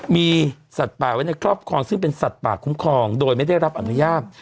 มีสัตว์ป่าไว้ในครอบครองซึ่งเป็นสัตว์ป่าคุ้มครองโดยไม่ได้รับอนุญาต